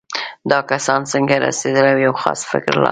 دا کسان څنګه رسېدل یو خاص فکر لاره.